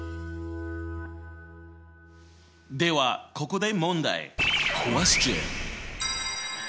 ではここで問題！